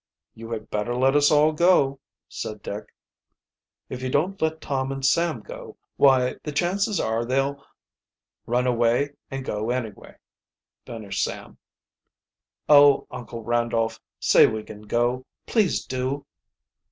"You had better let us all go," said Dick. "If you don't let Tom and Sam go, why, the chances are they'll " "Run away and go anyway," finished Sam. "Oh, Uncle Randolph, say we can go; please do!"